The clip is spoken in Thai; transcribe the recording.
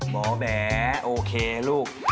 บอกแบ๊โอเคลูก